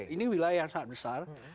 ini wilayah yang sangat besar